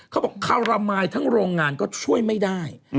เขาบอกคารมายทั้งโรงงานก็ช่วยไม่ได้